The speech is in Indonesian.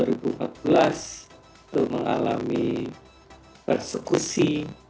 itu mengalami persekusi